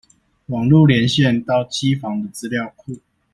網路連線到機房的資料庫